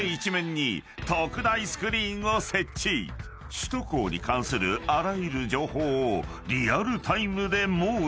［首都高に関するあらゆる情報をリアルタイムで網羅］